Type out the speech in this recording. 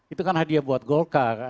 itu kan hadiah buat golkar